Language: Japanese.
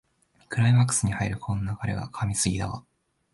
クライマックスに入るこの流れは神すぎだわ